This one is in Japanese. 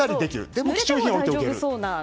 でも貴重品は入れておける。